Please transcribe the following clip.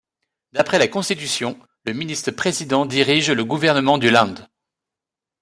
D'après la Constitution, le ministre-président dirige le gouvernement du Land.